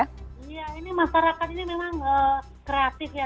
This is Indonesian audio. iya ini masyarakat ini memang kreatif ya